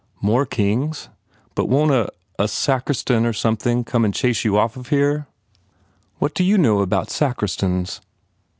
" "More kings? But won t a a sacristan or something come an chase you off of here?" "What do you know about sacristans?"